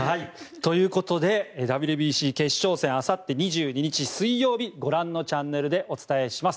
ＷＢＣ決勝戦あさって２２日、水曜日ご覧のチャンネルでお伝えします。